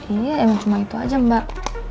iya emang cuma itu aja mbak